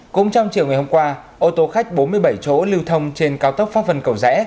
cũng trong chiều ngày hôm qua ô tô khách bốn mươi bảy chỗ lưu thông trên cao tốc pháp vân cầu rẽ